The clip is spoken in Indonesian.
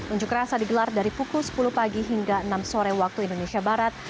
unjuk rasa digelar dari pukul sepuluh pagi hingga enam sore waktu indonesia barat